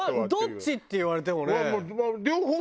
どっち？って言われてもね。